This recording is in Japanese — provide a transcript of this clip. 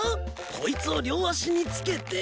こいつを両足に着けて。